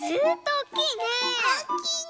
おっきいの。